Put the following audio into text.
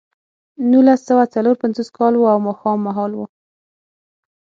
نولس سوه څلور پنځوس کال و او ماښام مهال و